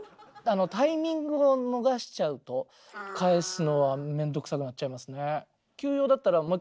タイミングを逃しちゃうと返すのは面倒くさくなっちゃいますね。